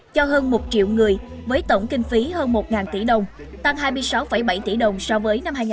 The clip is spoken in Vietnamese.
cho hơn một triệu người với tổng kinh phí hơn một tỷ đồng tăng hai mươi sáu bảy tỷ đồng so với năm hai nghìn một mươi bảy